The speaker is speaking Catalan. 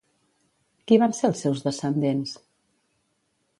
Qui van ser els seus descendents?